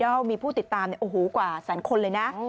เพราะว่ามีผู้ติดตามกว่าสันคนเลยนะ